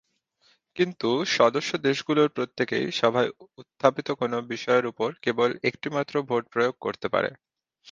কিন্তু সদস্য দেশগুলোর প্রত্যেকেই সভায় উত্থাপিত কোন বিষয়ের উপর কেবল একটিমাত্র ভোট প্রয়োগ করতে পারে।